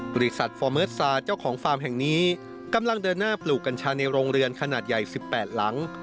บริษัทฟอร์เมิร์ดซาเจ้าของฟาร์มแห่งนี้กำลังเดินหน้าปลูกกัญชาในโรงเรือนขนาดใหญ่๑๘หลัง